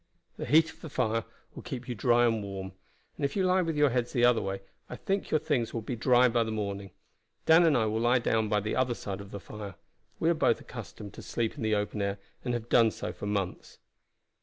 "The heat of the fire will keep you dry and warm, and if you lie with your heads the other way I think your things will be dry by the morning. Dan and I will lie down by the other side of the fire. We are both accustomed to sleep in the open air, and have done so for months."